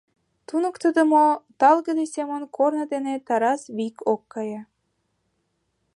Туныктыдымо талгыде семын корно дене Тарас вик ок кае.